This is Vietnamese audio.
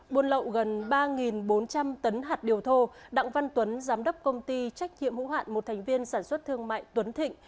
buôn lậu gần ba bốn trăm linh tấn hạt điều thô đặng văn tuấn giám đốc công ty trách nhiệm hữu hạn một thành viên sản xuất thương mại tuấn thịnh